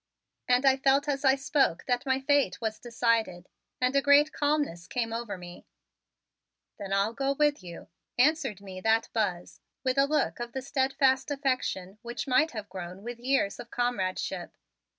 And I felt as I spoke that my fate was decided, and a great calmness came over me. "Then I'll go with you," answered me that Buzz with a look of the steadfast affection which might have grown with years of comradeship.